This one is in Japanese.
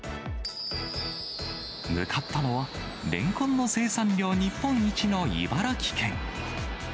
向かったのは、レンコンの生産量日本一の茨城県。